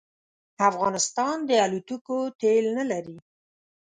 افغانستان د الوتکو تېل نه لري